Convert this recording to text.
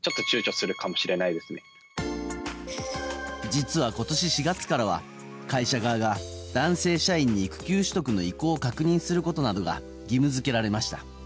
実は今年４月からは会社側が男性社員に育休取得の意向を確認することなどが義務付けられました。